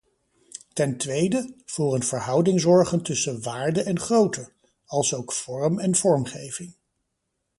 Ten tweede, voor een verhouding zorgen tussen waarde en grootte, alsook vorm en vormgeving.